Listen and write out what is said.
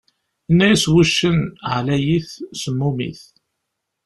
Inna-yas wuccen: ɛlayit, semmumit!